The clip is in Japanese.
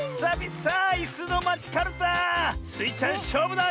スイちゃんしょうぶだ！